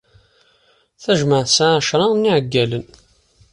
Tajmaɛt tesɛa ɛecṛa n iɛeggalen.